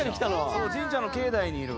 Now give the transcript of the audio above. そう神社の境内にいる。